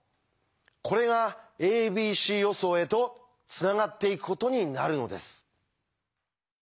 これが「ａｂｃ予想」へとつながっていくことになるのです。